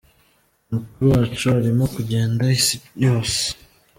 Umukuru wacu arimo kugenda isi yose.